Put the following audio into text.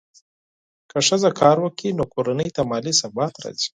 که ښځه کار وکړي، نو کورنۍ ته مالي ثبات راځي.